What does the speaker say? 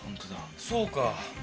そうか。